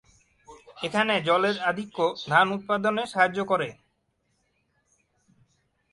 এখানে জলের আধিক্য ধান উৎপাদনে সাহায্য করে।